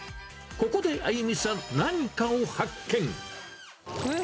ここであゆみさん、何かを発見。え？